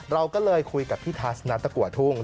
เราก็เลยคุยกับพี่ทัศนตะกัวทุ่ง